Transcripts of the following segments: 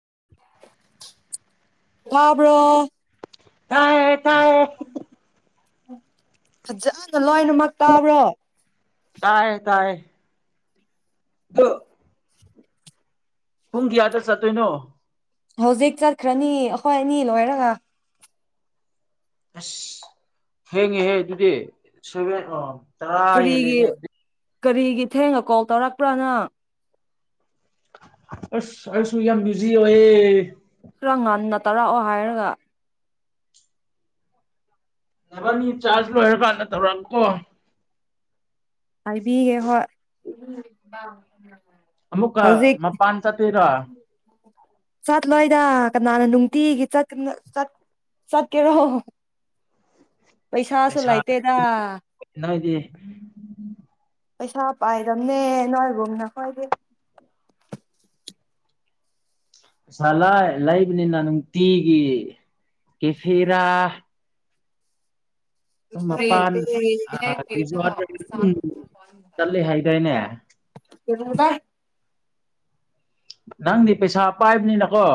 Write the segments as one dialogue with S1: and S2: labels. S1: [inaudible]
S2: ꯌꯕ꯭ꯔꯣ
S1: ꯇꯥꯏ
S2: ꯐꯖꯥꯅ ꯂꯣꯏꯅꯃꯛ ꯇꯥꯕ꯭ꯔꯣ
S1: ꯇꯥ ꯄꯨꯡ ꯀꯌꯥꯗ ꯆꯠꯇꯣꯏꯅꯣ
S2: ꯍꯧꯖꯤꯛ ꯆꯠꯈ꯭ꯔꯅꯤ ꯑꯩꯈꯣꯏ ꯑꯅꯤ ꯂꯣꯏꯔꯒ
S1: ꯑꯁ ꯊꯦꯡꯉꯦꯍꯦ ꯑꯗꯨꯗꯤ ꯁꯚ ꯑ ꯇꯥꯔ ꯍꯦꯜꯂꯦ
S2: ꯀꯔꯤꯒꯤ
S1: ꯅꯦ
S2: ꯀꯔꯤꯒꯤ ꯊꯦꯡꯅ ꯀꯣꯜ ꯇꯧꯔꯛꯄ꯭ꯔꯥꯅ
S1: ꯑꯁ ꯑꯩꯁꯨꯨ ꯌꯥꯝ ꯕꯤꯖꯤ ꯑꯣꯢꯌꯦ
S2: ꯈꯔ ꯉꯟꯅ ꯇꯥꯔꯛꯑꯣ ꯍꯥꯏꯔꯒ
S1: ꯅꯕꯅꯤ ꯆꯥꯔꯖ ꯂꯣꯏꯔꯀꯥꯟꯗ ꯇꯧꯔꯛꯀꯣ
S2: ꯍꯥꯏꯕꯤꯒꯦ ꯍꯣꯏ
S1: ꯑꯃꯃꯨꯀ
S2: ꯍꯧꯖꯤꯛ
S1: ꯃꯄꯥꯟ ꯆꯠꯇꯣꯢꯔꯥ
S2: ꯆꯠꯂꯣꯏꯗ ꯀꯅꯥꯅ ꯅꯨꯡꯇꯤꯒꯤ ꯆꯠ ꯆꯠ ꯆꯠꯀꯦꯔꯣ
S1: [inaudible]
S2: ꯄꯩꯁꯥꯁꯨ
S1: ꯄꯩꯁꯥ
S2: ꯂꯩꯇꯦꯗ
S1: ꯅꯣꯏꯗꯤ
S2: ꯄꯩꯁꯥ ꯄꯥꯏꯔꯝꯅꯦ ꯅꯥꯏꯒꯨꯝꯅ ꯈꯣꯏꯗꯤ
S1: ꯁꯂꯥꯢ ꯂꯩꯕꯅꯤꯅ ꯅꯨꯡꯇꯤꯒꯤ ꯀꯦꯐꯦꯔꯥ ꯃꯄꯥꯟ [unintelligible] ꯆꯠꯂꯤ ꯍꯥꯏꯗꯥꯢꯅꯦ
S2: ꯈꯪꯗꯦ
S1: ꯅꯪꯗꯤ ꯄꯩꯁꯥ ꯄꯥꯏꯕꯅꯤꯅꯀꯣ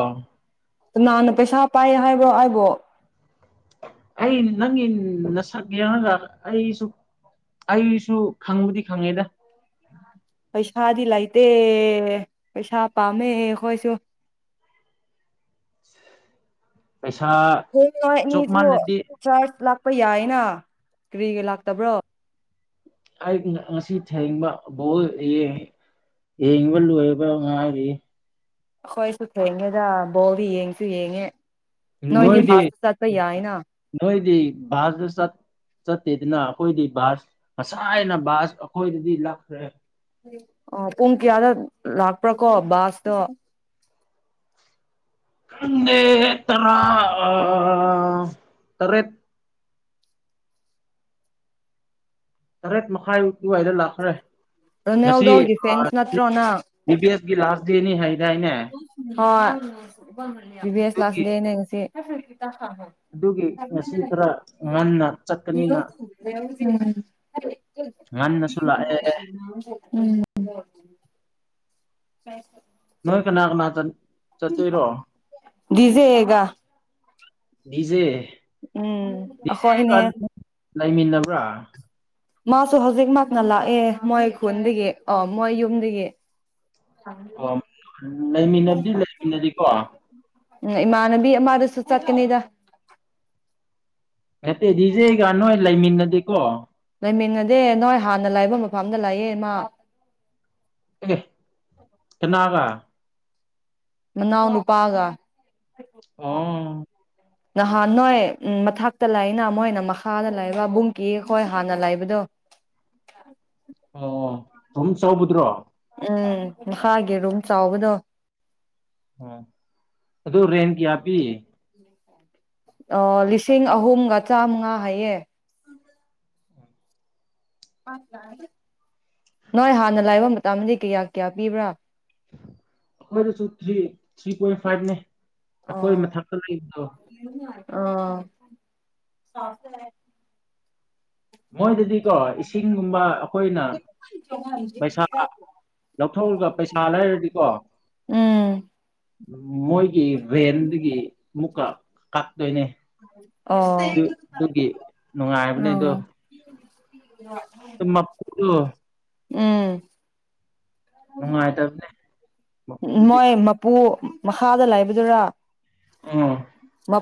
S2: ꯀꯅꯥꯥꯅ ꯄꯩꯁꯥ ꯄꯥꯏ ꯍꯥꯏꯕ꯭ꯔꯣ ꯑꯩꯕꯣ
S1: ꯑꯩ ꯅꯪꯒꯤ ꯅ ꯁꯛ ꯌꯦꯡꯉꯒ ꯑꯩꯁꯨ ꯑꯩꯁꯨ ꯈꯪꯕꯨꯗꯤ ꯈꯪꯉꯦꯗ
S2: ꯄꯩꯁꯥꯗꯤ ꯂꯩꯇꯦ ꯄꯩꯁꯥ ꯄꯥꯝꯃꯦ ꯑꯩꯈꯣꯏꯁꯨ
S1: [inaudible]
S2: ꯍꯌꯦꯡ ꯅꯣꯢ ꯑꯅꯤꯗꯨ
S1: ꯆꯣꯞꯃꯜꯂꯗꯤ
S2: ꯆꯔꯁ ꯂꯛ ꯄ ꯌꯥꯏꯅ ꯀꯔꯤꯒꯤ ꯂꯥꯛꯇꯕ꯭ꯔꯣ
S1: ꯑꯩ ꯉꯁꯤ ꯊꯦꯡꯕ ꯕꯣꯜ ꯌꯦꯡ ꯌꯦꯉꯕ ꯂꯣꯢꯕ ꯉꯥꯢꯔꯤ
S2: ꯑꯩꯈꯣꯏꯁꯨ ꯊꯦꯡꯉꯦꯗ ꯕꯣꯜꯗꯤ ꯌꯦꯡꯁꯨ ꯌꯦꯡꯉꯦ
S1: ꯅꯣꯏꯗꯤ
S2: ꯕꯥꯁꯇ ꯆꯠꯄ ꯌꯥꯏꯅ
S1: ꯅꯣꯏꯗꯤ ꯕꯖꯨ ꯆꯠ ꯆꯠꯇꯦꯗꯅ ꯑꯩꯈꯣꯏꯗꯤ ꯕꯥꯁ ꯉꯁꯥꯏꯅ ꯕꯥꯁ ꯑꯩꯈꯣꯏꯗꯗꯤ ꯂꯥꯛꯈ꯭ꯔꯦ
S2: ꯑ ꯄꯨꯡ ꯀꯌꯥꯗ ꯂꯥꯛꯄ꯭ꯔꯥꯀꯣ ꯕꯥꯁꯇꯣ
S1: ꯈꯪꯗꯦ ꯇꯔꯥ ꯑ ꯇꯔꯦꯠ ꯇꯔꯦꯠ ꯃꯥꯈꯥꯢ ꯑꯗꯨ ꯋꯥꯢꯗ ꯂꯥꯛꯈ꯭ꯔꯦ ꯉꯁꯤ
S2: ꯔꯣꯅꯦꯜꯗꯣꯒꯤ
S1: ꯑ
S2: ꯐꯦꯟꯁ ꯅꯠꯇ꯭ꯔꯣ ꯅꯪ
S1: ꯇꯤ ꯕꯤ ꯑꯦꯁꯀꯤ ꯂꯥꯁ ꯗꯦꯠꯅꯦ ꯍꯥꯏꯗꯥꯢꯅꯦ
S2: ꯍꯣꯏ ꯚꯤꯚꯤ ꯑꯦꯁ ꯂꯥꯁ ꯗꯦꯠꯅꯦ ꯉꯁꯤ
S1: ꯑꯗꯨꯒꯤ ꯉꯁꯤ ꯈꯔ ꯉꯟꯅ ꯆꯠꯀꯅꯤꯅ ꯉꯟꯅꯁꯨ ꯂꯥꯛꯑꯦ
S2: [unintelligible] ꯎꯝ [unintelligible] ꯎꯝ ꯇꯦ
S1: ꯅꯣꯏ ꯀꯅꯥ ꯀꯅꯥ ꯆꯠ ꯆꯠꯇꯣꯏꯔꯣ
S2: ꯒꯤꯖꯥꯑꯦ ꯒ
S1: ꯒꯤꯖꯦ
S2: ꯎꯝ ꯑꯈꯣꯏꯅꯦ
S1: ꯂꯩꯃꯤꯟꯅꯕ꯭ꯔꯥ
S2: ꯃꯥꯁꯨ ꯍꯧꯖꯤꯛꯃꯛꯅ ꯂꯥꯛꯑꯦ ꯃꯣꯏ ꯈꯨꯟꯗꯒꯤ ꯑ ꯃꯣꯏ ꯌꯨꯝꯗꯒꯤ
S1: ꯑꯣ ꯂꯩꯃꯤꯟꯅꯕꯗꯤ ꯂꯩꯃꯤꯟꯅꯔꯤꯀꯣ
S2: ꯎꯝ ꯏꯃꯥꯟꯅꯕꯤ ꯑꯃꯗꯁꯨ ꯆꯠꯀꯅꯤꯗ
S1: ꯍꯦꯠꯇꯦ ꯏꯖꯦꯒ ꯅꯣꯏ ꯂꯩꯃꯤꯟꯅꯗꯦꯀꯣ
S2: ꯂꯩꯃꯤꯟꯅꯗꯦ ꯅꯣꯏ ꯍꯥꯟꯅ ꯂꯥꯏꯕ ꯃꯐꯝꯗ ꯂꯩꯑꯦ ꯃꯥ
S1: ꯑꯦ ꯀꯅꯥꯒ
S2: ꯅꯅꯥꯎꯅꯨꯄꯥꯒ
S1: ꯑꯣ
S2: ꯅꯍꯥꯟ ꯅꯣꯏ ꯎꯝ ꯃꯊꯛꯇ ꯂꯥꯛꯏꯅ ꯃꯣꯏꯅ ꯃꯈꯥꯗ ꯂꯩꯕ ꯕꯨꯡꯀꯤ ꯍꯣꯏ ꯍꯥꯟꯅ ꯂꯩꯕꯗꯣ
S1: ꯑꯣ ꯐꯕꯨꯡ ꯆꯥꯎꯕꯗꯨꯔꯣ
S2: ꯎꯝ ꯃꯈꯥꯒꯤ ꯔꯨꯝ ꯆꯥꯎꯕꯗꯣ
S1: ꯎ ꯑꯗꯨ ꯔꯦꯟ ꯀꯌꯥ ꯄꯤ
S2: ꯑ ꯂꯤꯁꯤꯡ ꯑꯍꯨꯝꯒ ꯆꯥꯃꯉꯥ ꯍꯥꯏꯌꯦ ꯅꯣꯏ ꯍꯥꯟꯅ ꯂꯥꯏꯕ ꯃꯇꯝꯗꯗꯤ ꯀꯌꯥ ꯀꯌꯥ ꯄꯤꯕ꯭ꯔꯥ
S1: ꯑꯩꯈꯣꯏꯗꯁꯨ ꯊꯔꯤ ꯊ꯭ꯔꯤ ꯄꯣꯢꯟ ꯐꯥꯏꯚꯅꯦ ꯑꯈꯣꯏ ꯃꯊꯛꯛꯇ ꯂꯩꯕꯗꯣ
S2: ꯑ
S1: ꯃꯣꯏꯗꯗꯤꯀꯣ ꯏꯁꯤꯡꯒꯨꯝꯕ ꯑꯩꯈꯣꯏꯅ ꯄꯩꯁꯥ ꯀ ꯂꯧꯊꯣꯛꯔꯒ ꯄꯩꯁꯥ ꯂꯩꯔꯗꯤꯀꯣ
S2: ꯎꯝ
S1: ꯃꯣꯏꯒꯤ ꯔꯦꯟꯗꯒꯤ ꯃꯨꯛꯀ ꯀꯛꯇꯣꯏꯅꯦ
S2: ꯑꯣ
S1: ꯑꯗꯨ ꯑꯗꯨꯒꯤ ꯅꯨꯡꯉꯥꯏꯕꯅꯦ ꯑꯗꯣ
S2: ꯑꯣ
S1: ꯇꯝꯕꯥꯀꯨꯗꯣ
S2: ꯎꯝ
S1: ꯅꯨꯡꯉꯥꯏꯇꯕꯅꯦ
S2: ꯎ
S1: ꯃꯄꯨꯗꯨꯗꯤ
S2: ꯃꯣꯏ ꯃꯄꯨ ꯃꯈꯥꯗ ꯂꯩꯕꯗꯨꯔꯥ
S1: ꯑꯥ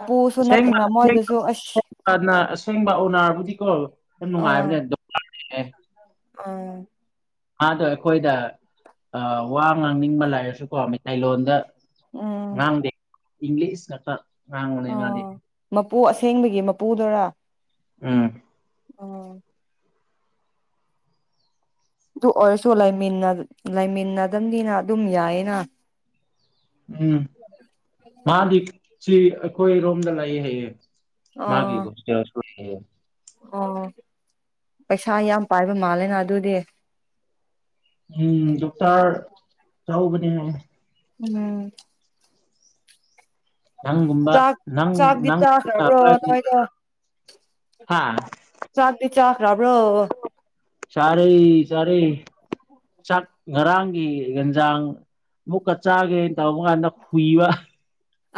S2: ꯄꯨꯁꯨ ꯅꯞꯇꯅ ꯃꯣꯏꯗꯨꯁꯨ ꯑꯩ
S1: ꯑꯁꯦꯡꯕ ꯑꯣꯅꯥꯔꯕꯨꯗꯤꯀꯣ ꯌꯥꯝ
S2: ꯑꯥ
S1: ꯅꯨꯡꯉꯥꯏꯕꯅꯦ
S2: ꯑꯥ
S1: ꯃꯥꯗꯣ ꯑꯩꯈꯣꯏꯗ ꯑ ꯋꯥ ꯉꯥꯡꯅꯤꯡꯕ ꯂꯩꯔꯁꯨ ꯀꯣ ꯃꯩꯇꯩꯂꯣꯟꯗ
S2: ꯎꯝ
S1: ꯉꯥꯡꯗꯦ ꯏꯪꯂꯤꯁ ꯀꯠꯇꯥ ꯉꯥꯡꯕꯅꯦ ꯃꯥꯗꯤ
S2: ꯄꯨ ꯑꯁꯦꯡꯕꯒꯤ ꯃꯄꯨꯗꯨꯔꯥ
S1: ꯎꯝ
S2: ꯑꯣ ꯑꯗꯨ ꯑꯣꯏꯔꯁꯨ ꯂꯩꯃꯤꯟꯅ ꯂꯩꯥꯏꯃꯤꯟꯅꯗꯕꯅꯤꯅ ꯑꯗꯨꯝ ꯌꯥꯏꯌꯦꯅ
S1: ꯎꯝ ꯃꯥꯗꯤ ꯁꯤ ꯑꯩꯈꯣꯏꯔꯣꯝꯗ ꯂꯩꯌꯦ ꯍꯥꯢꯌꯦ
S2: ꯑꯣ
S1: ꯃꯥꯒꯤꯒꯣꯁꯇꯦꯜꯁꯨ ꯌꯦꯡ
S2: ꯑꯣ ꯄꯩꯁꯥ ꯌꯥꯝ ꯄꯥꯏꯕ ꯃꯥꯜꯂꯦꯅ ꯑꯗꯨꯗꯤ
S1: ꯎꯝ ꯗꯣꯛꯇꯔ ꯆꯥꯎꯕꯅꯦ ꯍꯥꯢꯌꯦ
S2: ꯎꯝ
S1: ꯅꯪꯒꯨꯝꯕ
S2: ꯆꯥꯛ
S1: ꯅꯪ
S2: ꯆꯥꯕꯗꯤ
S1: ꯅꯪ ꯄꯩꯁꯥ
S2: ꯆꯥꯈꯔꯕ꯭ꯔꯣ
S1: ꯄꯥꯏꯕꯅꯤꯅ
S2: ꯅꯣꯢꯗꯣ
S1: ꯍꯥ
S2: ꯆꯥꯛꯇꯤ ꯆꯈ꯭ꯔꯕ꯭ꯔꯣ
S1: ꯆꯥꯔꯩ ꯆꯥꯔꯩ ꯆꯥꯛ ꯉꯔꯥꯡꯒꯤ ꯍꯦꯟꯖꯥꯡ ꯑꯃꯨꯛꯀ ꯆꯥꯒꯦꯅ ꯇꯧꯕ ꯀꯥꯟꯗ ꯈꯨꯨꯏꯕ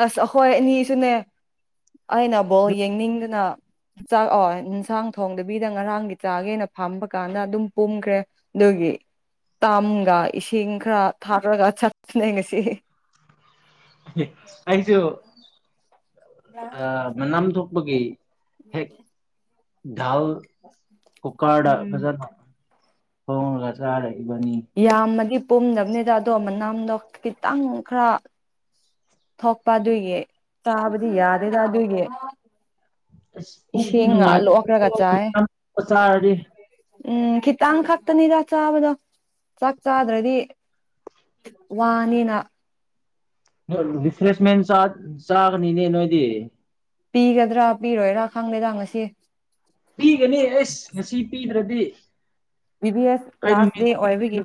S2: ꯑꯁ ꯑꯩꯈꯣꯏ ꯑꯅꯤꯁꯨꯅꯦ ꯑꯩꯅꯕꯨꯧ ꯌꯦꯡꯅꯤꯡꯗꯅ ꯆꯥꯛ ꯑꯣ ꯏꯟꯁꯥꯡ ꯊꯣꯡꯗꯕꯤꯗ ꯉꯔꯥꯡꯒꯤ ꯆꯥꯒꯦꯅ ꯐꯝꯕ ꯀꯥꯟꯗ ꯑꯗꯨꯝ ꯄꯨꯝꯈ꯭ꯔꯦ ꯑꯗꯨꯒꯤ ꯑꯦ ꯇꯝꯒ ꯏꯁꯤꯡ ꯈꯔ ꯊꯥꯛꯔꯒ ꯆꯠꯄꯅꯦ ꯉꯁꯤ
S1: ꯑꯦ ꯑꯩꯁꯨ ꯑ ꯃꯅꯝ ꯊꯣꯛꯄꯒꯤ ꯍꯦꯛ ꯥꯗꯥꯜ ꯀꯨꯀꯥꯔꯗ
S2: ꯎꯝ
S1: ꯐꯖꯅꯥ ꯊꯣꯡꯔꯒ ꯆꯥꯔꯦ ꯏꯕꯥꯅꯤ
S2: ꯌꯥꯝꯃꯗꯤ ꯄꯨꯝꯗꯕꯅꯤꯗ ꯑꯗꯣ ꯃꯅꯥꯝꯗꯣ ꯈꯤꯇꯪ ꯈꯔ ꯊꯣꯛꯄ ꯑꯗꯨꯒꯤ ꯆꯥꯕꯗꯤ ꯌꯥꯗꯦꯗ ꯑꯗꯨꯒꯤ
S1: ꯑꯁ ꯄꯨꯛꯇꯤ
S2: ꯏꯁꯤꯡꯒ ꯂꯣꯛꯔꯒ ꯆꯥꯏꯌꯦ
S1: ꯅꯨꯡꯉꯥꯏꯇꯕꯅꯤꯀꯣ ꯆꯥꯔꯗꯤ
S2: ꯎꯝ ꯈꯤꯇꯥꯡ ꯈꯛꯇꯅꯤꯗ ꯆꯥꯕꯗꯣ ꯆꯥꯛ ꯆꯥꯗ꯭ꯔꯗꯤ ꯋꯥꯅꯤꯅ
S1: ꯔꯤꯐ꯭ꯔꯦꯁꯃꯦꯟ ꯆꯥ ꯆꯥꯒꯅꯤꯅꯦ ꯅꯣꯏꯗꯤ
S2: ꯄꯤꯒꯗ꯭ꯔꯥ ꯄꯤꯔꯣꯏꯔꯥ ꯈꯪꯗꯦꯗ ꯉꯁꯤ
S1: ꯄꯤꯒꯅꯤ ꯑꯦꯁ ꯉꯁꯤ ꯄꯤꯗ꯭ꯔꯗꯤ
S2: ꯕꯤꯕꯤ ꯑꯦꯐ
S1: ꯀꯩ
S2: ꯂꯥꯁ ꯗꯦ
S1: ꯅꯨꯃꯤꯠꯇ ꯄꯤꯗꯣꯏꯅꯣ
S2: ꯑꯣꯏꯕꯒꯤ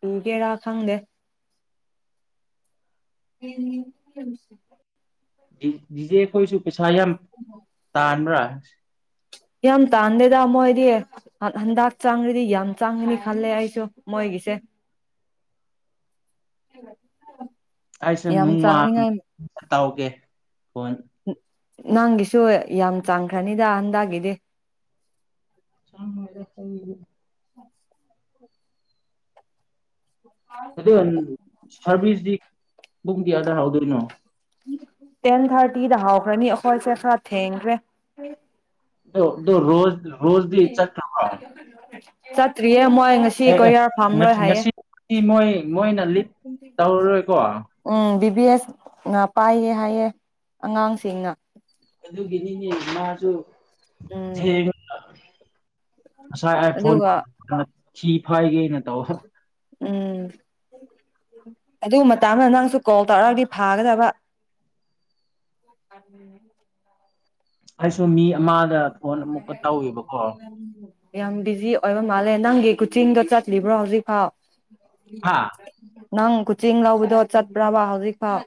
S2: ꯄꯤꯒꯦꯔꯥ ꯈꯪꯗꯦ [unintelligible]
S1: ꯗꯤ ꯗꯤ ꯖꯦ ꯈꯣꯏꯁꯨ ꯄꯩꯁꯥ ꯌꯥꯝ ꯇꯥꯟꯕ꯭ꯔꯥ
S2: ꯌꯥꯝ ꯇꯥꯟꯗꯦꯗ ꯃꯣꯏꯗꯤ ꯍꯟꯗꯛ ꯆꯥꯡꯉꯗꯤ ꯌꯥꯝ ꯆꯥꯡꯉꯅꯤ ꯈꯜꯂꯦ ꯑꯩꯁꯨ ꯃꯣꯏꯒꯤ ꯄꯤꯁꯦ [unintelligible]
S1: ꯑꯩꯁ
S2: ꯌꯥꯝ
S1: ꯅꯨꯡꯃꯡ
S2: ꯆꯥꯡꯅꯤꯡꯉꯥꯏ
S1: ꯇꯧꯒꯦ ꯐꯣꯟ
S2: ꯅꯪꯒꯤꯁꯨ ꯌꯥꯝ ꯆꯥꯡꯈ꯭ꯔꯅꯤꯗ ꯍꯟꯗꯒꯤꯗꯤ
S1: ꯆꯥꯡꯉꯣꯏꯗ ꯑꯩꯈꯣꯏꯒꯤꯗꯤ ꯑꯗꯨ ꯁꯥꯔꯚꯤꯁꯇꯤ ꯄꯨꯡ ꯀꯌꯥꯗ ꯍꯥꯎꯗꯣꯏꯅꯣ
S2: ꯇꯦꯟ ꯊꯥꯔꯇꯤꯗ ꯍꯧꯈ꯭ꯔꯅꯤ ꯑꯩꯈꯣꯏꯁꯦ ꯈꯔ ꯊꯦꯡꯈ꯭ꯔꯦ
S1: ꯗꯣ ꯔꯣꯖ ꯔꯣꯖꯗꯤ ꯆꯥꯠꯈ꯭ꯔꯕ
S2: ꯆꯇ꯭ꯔꯤꯌꯦ ꯃꯣꯢ
S1: ꯑꯦ ꯑꯦ ꯉꯁꯤ ꯉꯁꯤꯗꯤ ꯃꯣꯏ ꯃꯣꯏꯅ ꯂꯤꯠ ꯇꯧꯔꯔꯣꯏꯀꯣ
S2: ꯎꯝ ꯕꯤꯕꯤ ꯑꯦꯁꯅ ꯄꯥꯏꯌꯦ ꯍꯥꯏꯌꯦ ꯑꯉꯥꯡꯁꯤꯡꯅ
S1: ꯑꯗꯨꯒꯤꯅꯤꯅꯦ ꯃꯥꯁꯨ
S2: ꯎꯝ
S1: ꯊꯦꯡꯕ ꯉꯁꯥꯏ ꯑꯥꯏ ꯐꯣꯟ
S2: ꯑꯗꯨꯒ
S1: ꯊꯤ ꯐꯥꯏꯒꯦꯅ ꯇꯧꯕ
S2: ꯎꯝ ꯑꯗꯨ ꯃꯇꯥꯡꯗ ꯅꯪꯁꯨ ꯀꯣꯜ ꯇꯧꯔꯛꯑꯕꯗꯤ ꯐꯥꯒꯗꯕ ꯎꯝ
S1: ꯑꯩꯁꯨ ꯃꯤ ꯑꯃꯗ ꯐꯣꯟ ꯑꯃꯨꯛꯀ ꯇꯧꯋꯦꯕꯀꯣ
S2: ꯌꯥꯝ ꯕꯤꯖꯤ ꯑꯣꯏꯕ ꯃꯥꯜꯂꯦ ꯅꯪꯒꯤ ꯀꯨꯆꯤꯡꯗꯣ ꯆꯠꯂꯤꯕ꯭ꯔꯣ ꯍꯧꯖꯤꯛ ꯐꯥꯎ
S1: ꯍꯥꯥ
S2: ꯅꯪ ꯀꯣꯆꯤꯡ ꯂꯧꯕꯗꯣ ꯆꯠꯄ꯭ꯔꯕ ꯍꯧꯖꯤꯛ ꯐꯥꯎ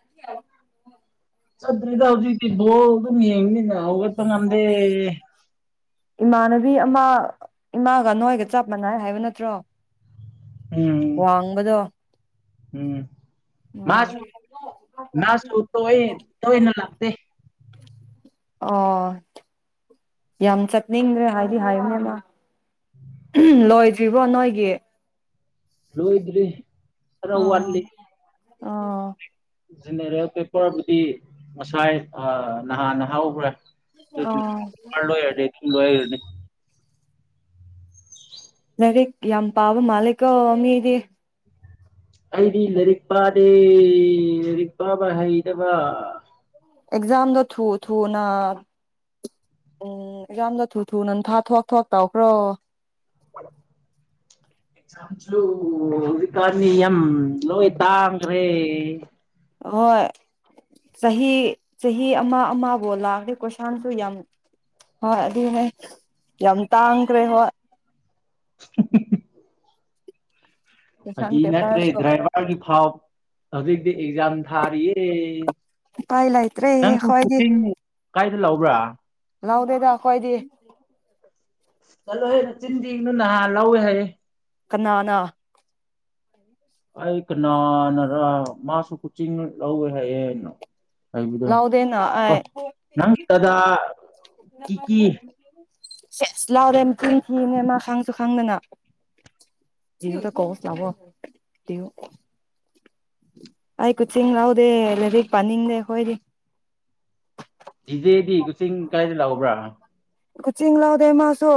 S1: ꯆꯗ꯭ꯔꯤꯗ ꯍꯧꯖꯤꯇꯤ ꯕꯣꯜ ꯑꯗꯨꯝ ꯌꯦꯡꯕꯅꯤꯅ ꯍꯧꯒꯠꯄ ꯉꯝꯗꯦ
S2: ꯏꯃꯥꯟꯅꯕꯤ ꯑꯃ ꯏꯃꯥꯒ ꯅꯣꯏꯒ ꯆꯞ ꯃꯥꯟꯅꯥꯏ ꯍꯥꯏꯕ ꯅꯠꯇ꯭ꯔꯣ
S1: ꯎꯝ
S2: ꯋꯥꯡꯕꯗꯣ
S1: ꯎꯝ ꯃꯥꯁꯨ ꯃꯥꯁꯨ ꯇ ꯇꯣꯏꯅ ꯂꯥꯛꯇꯦ
S2: ꯑꯣ ꯌꯥꯝ ꯆꯠꯅꯤꯡꯗ꯭ꯔꯦ ꯍꯥꯏꯗꯤ ꯍꯥꯏꯌꯨꯅꯦꯃ ꯎꯍꯝ ꯂꯣꯏꯗ꯭ꯔꯤꯕ꯭ꯔꯣ ꯅꯣꯏꯒꯤ
S1: ꯂꯣꯏꯗ꯭ꯔꯤ ꯈꯔ
S2: ꯑꯣ
S1: ꯋꯥꯠꯂꯤ
S2: ꯑꯣ
S1: ꯖꯦꯅꯦꯔꯦꯜ ꯄꯦꯄꯔꯕꯨꯗꯤ ꯉꯁꯥꯏ ꯑ ꯅꯍꯥꯟꯅ ꯍꯥꯎꯈ꯭ꯔꯦ
S2: ꯑꯣ
S1: [unintelligible] ꯄꯔ ꯂꯣꯢꯔꯗꯤ ꯂꯣꯢꯔꯗꯤ
S2: ꯂꯥꯏꯔꯤꯛ ꯌꯥꯝ ꯄꯥꯕ ꯃꯥꯂꯤꯀꯣ ꯃꯤꯗꯤ
S1: ꯑꯩꯗꯤ ꯂꯥꯏꯔꯤꯛ ꯄꯥꯗꯦ ꯂꯥꯏꯔꯤꯛ ꯄꯥꯕ ꯍꯩꯇꯕ
S2: ꯑꯦꯛꯖꯝꯗꯣ ꯊ ꯊꯨ ꯅ ꯎꯝ ꯑꯦꯛꯖꯥꯝꯗꯤ ꯊꯨ ꯊꯨꯅ ꯊꯥ ꯊꯣꯛ ꯊꯣꯛ ꯇꯧꯈ꯭ꯔꯣ
S1: [inaudible] ꯑꯦꯛꯖꯥꯝꯁꯨ ꯍꯧꯖꯤꯛꯀꯥꯟꯗꯤ ꯌꯥꯝ ꯂꯣꯏ ꯇꯥꯡꯒ꯭ꯔꯦ
S2: ꯍꯣꯏ ꯆꯍꯤ ꯆꯍꯤ ꯑꯃ ꯑꯃꯕꯨ ꯂꯥꯛꯑꯗꯤ ꯀꯣꯏꯁꯥꯟꯁꯨ ꯌꯥꯝ ꯍꯣꯏ ꯑꯗꯨꯅꯦ ꯌꯥꯝ ꯇꯥꯡꯈ꯭ꯔꯦ ꯍꯣꯢ
S1: ꯍ ꯍ ꯍ
S2: ꯀꯣꯏꯁꯟ
S1: ꯐꯒꯤ ꯅꯠꯇ꯭ꯔꯦ
S2: ꯄꯦꯄꯔꯁꯨ
S1: ꯗ꯭ꯔꯥꯏꯚꯔꯒꯤ ꯐꯥꯎ ꯍꯧꯖꯤꯛꯇꯤ ꯑꯦꯛꯖꯥꯝ ꯊꯥꯔꯤꯌꯦ
S2: ꯎꯄꯥꯏ ꯂꯩꯇ꯭ꯔꯦꯍꯦ
S1: ꯅꯪꯁꯨ
S2: ꯑꯈꯣꯏꯗꯤ
S1: ꯀꯣꯆꯤꯡ ꯀꯥꯏꯗ ꯂꯧꯕ꯭ꯔꯥ
S2: ꯂꯥꯎꯗꯦꯗꯥ ꯑꯩꯈꯣꯏꯗꯤ
S1: ꯆꯠꯂꯣꯍꯦ ꯅꯆꯤꯟ ꯊꯤꯒꯅꯨ ꯅꯍꯥꯟ ꯂꯧꯋꯦ ꯍꯥꯏꯌꯦ
S2: ꯀꯅꯥꯅꯥ
S1: ꯑꯩ ꯀꯅꯥꯅꯔ ꯃꯥꯁꯨ ꯀꯨꯆꯤꯡ ꯂꯧꯋꯦ ꯍꯥꯏꯌꯦ ꯅ ꯍꯥꯏꯕꯗꯣ
S2: ꯂꯧꯗꯦꯅ
S1: ꯑꯣ
S2: ꯑꯩ
S1: ꯅꯪ ꯇꯗꯥ ꯀꯤꯀꯤ
S2: ꯁꯦꯁ ꯂꯥꯎꯔꯦ [unintelligible] ꯃꯥ ꯈꯪꯁꯨ ꯈꯪꯗꯅ [unintelligible] ꯑꯩ ꯀꯨꯆꯤꯡ ꯂꯥꯎꯗꯦ ꯂꯔꯤꯛ ꯄꯥꯅꯤꯡꯗꯦ ꯍꯣꯏꯗꯤ
S1: ꯏꯖꯦꯗꯤ ꯀꯛꯆꯤꯡ ꯀꯥꯏꯗ ꯂꯥꯎꯕ꯭ꯔꯥ
S2: ꯀꯣꯆꯤꯡ ꯌꯥꯎꯗꯦ ꯃꯥꯁꯨ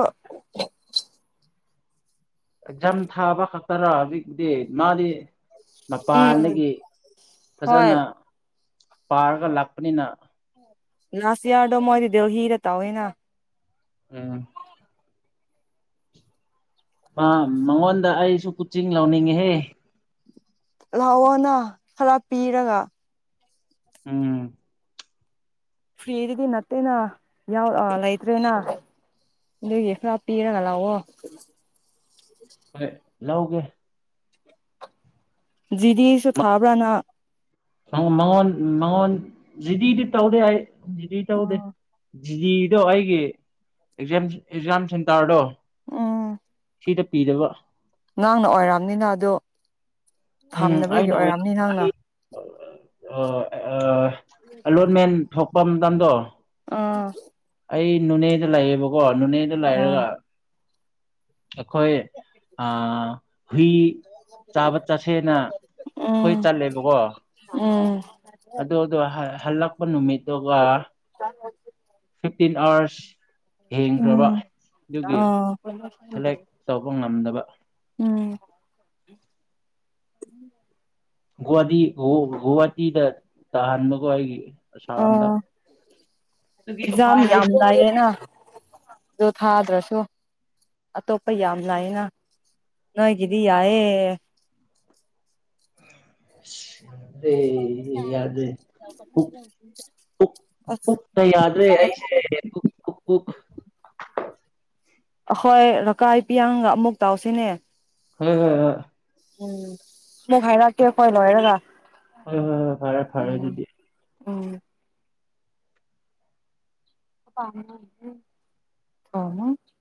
S1: ꯑꯦꯛꯖꯝ ꯊꯥꯕ ꯈꯛꯇꯔ ꯍꯧꯖꯤꯛꯗꯤ ꯃꯥꯗꯤ
S2: ꯎꯝ
S1: ꯃꯄꯥꯟꯗꯒꯤ
S2: ꯍꯣꯏ
S1: ꯐꯖꯅ ꯄꯥꯔꯒ ꯂꯥꯛꯄꯅꯤꯅ
S2: ꯅꯥꯁ ꯌꯥꯔꯗꯣ ꯃꯣꯏꯗꯤ ꯗꯦꯜꯂꯤꯗ ꯇꯧꯋꯦꯅ
S1: ꯎꯝ ꯑꯝ ꯃꯉꯣꯟꯗ ꯑꯩꯁꯨ ꯀꯨꯆꯤꯡ ꯂꯧꯅꯤꯡꯉꯤꯍꯦ
S2: ꯂꯥꯛꯑꯣꯅ ꯈꯔ ꯄꯤꯔꯒ
S1: ꯎꯝ
S2: ꯐꯔꯤꯗꯒꯤ ꯅꯠꯇꯦꯅ ꯌꯥꯎ ꯑꯥ ꯂꯩꯇ꯭ꯔꯦꯅ ꯑꯗꯨꯒꯤ ꯈꯔ ꯄꯤꯔꯒ ꯂꯥꯎꯑꯣ
S1: ꯍꯣꯏ ꯂꯧꯒꯦ
S2: ꯖꯤ ꯗꯤꯁꯨ ꯊꯥꯕ꯭ꯔꯥ ꯅꯪ
S1: ꯃꯉꯣꯟ ꯃꯉꯣꯟ ꯖꯤ ꯗꯤꯗꯤ ꯇꯧꯗꯦ ꯑꯩ ꯖꯤ ꯗꯤ ꯇꯧꯗꯦ
S2: ꯑꯥ
S1: ꯖꯤ ꯗꯤꯗꯣ ꯑꯩꯒꯤ ꯑꯦꯛꯖꯝ ꯑꯦꯛꯖꯥꯝ ꯁꯦꯟꯇꯔꯗꯣ
S2: ꯎꯝ
S1: ꯁꯤꯗ ꯄꯤꯗꯕ
S2: ꯅꯪꯅ ꯑꯣꯏꯔꯝꯅꯤꯅ ꯑꯗꯨ ꯐꯥꯝꯅꯕꯒꯤ ꯑꯣꯏꯔꯝꯅꯤ ꯅꯪꯅ
S1: ꯑꯥ ꯑꯥ ꯑꯂꯣꯠꯃꯦꯟ ꯊꯣꯛꯄ ꯃꯇꯝꯗꯣ
S2: ꯑꯥ
S1: ꯑꯩ ꯅꯣꯅꯦꯗ ꯂꯩꯌꯦꯕꯀꯣ ꯅꯣꯅꯦꯗ
S2: ꯑꯥ
S1: ꯂꯩꯔꯒ ꯑꯩꯈꯣꯏ ꯑꯥ ꯍꯨꯏ ꯆꯥꯕ ꯆꯠꯁꯦꯅ ꯈꯣꯏ
S2: ꯎꯝ
S1: ꯇꯟꯂꯦꯕꯀꯣ
S2: ꯎꯝ
S1: ꯑꯗꯨ ꯑꯗꯣ ꯍ- ꯍꯜꯂꯛꯄ ꯅꯨꯃꯤꯠꯇꯨꯒ ꯐꯤꯐꯇꯤꯟ ꯑꯋ꯭ꯔꯁ ꯍꯦꯟꯈ꯭ꯔꯕ
S2: ꯎꯝ
S1: ꯑꯗꯨꯒꯤ
S2: ꯑꯥ
S1: ꯁꯦꯂꯦꯛ ꯇꯧꯕ ꯉꯝꯗꯕ
S2: [unintelligible]
S1: ꯒꯨꯍꯇꯤ ꯒꯨꯍꯥꯇꯤꯗ ꯇꯥꯍꯟꯕꯀꯣ ꯑꯩꯒꯤ
S2: ꯑꯥ
S1: ꯑꯁꯥꯝꯗ ꯑꯗꯨꯒꯤ
S2: ꯑꯦꯛꯖꯥꯝ
S1: ꯎꯄꯥꯏ
S2: ꯌꯥꯝ
S1: ꯂꯩꯇꯦ
S2: ꯂꯥꯏꯌꯦꯅ ꯑꯗꯣ ꯊꯥꯗ꯭ꯔꯁꯨ ꯑꯇꯣꯞꯄ ꯌꯥꯝ ꯂꯥꯏꯅ ꯅꯣꯏꯒꯤꯗꯤ ꯌꯥꯏꯑꯦ
S1: [inaudible] ꯌꯥꯗ꯭ꯔꯦ
S2: [unintelligible]
S1: ꯆꯠꯄ ꯌꯥꯗ꯭ꯔꯦ ꯑꯩꯁꯦ [unintelligible]
S2: ꯑꯈꯣꯏ ꯂꯩꯀꯥꯏ ꯄꯤꯌꯥꯡꯒ ꯑꯃꯨꯛ ꯇꯧꯁꯤꯅꯦ
S1: [unintelligible]
S2: ꯎꯝ ꯃꯨꯛ ꯍꯥꯏꯔꯛꯀꯦ ꯀꯣꯏ ꯂꯣꯏꯔꯒ
S1: ꯍꯣꯏ ꯍꯣꯏ ꯍꯣꯏ ꯐꯔꯦ ꯐꯔꯦ
S2: ꯎꯝ
S1: ꯑꯗꯨꯗꯤ
S2: ꯎꯝ [unintelligible]